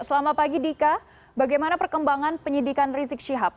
selamat pagi dika bagaimana perkembangan penyidikan rizik syihab